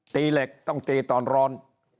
ตีเหล็กต้องตีตอนร้อน